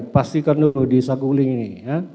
pastikan dulu di satu link ini